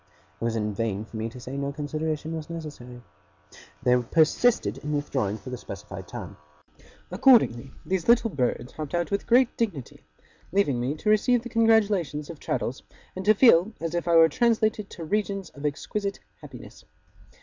It was in vain for me to say that no consideration was necessary. They persisted in withdrawing for the specified time. Accordingly, these little birds hopped out with great dignity; leaving me to receive the congratulations of Traddles, and to feel as if I were translated to regions of exquisite happiness.